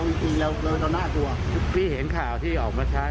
เร็วจริงเร็วเร็วเกินตอนหน้าตัวพี่เห็นข่าวที่ออกมาช้า